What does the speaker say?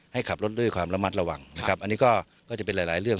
ให้ขับรถด้วยความระมัดระหว่างอันนี้ก็จะเป็นหลายเรื่อง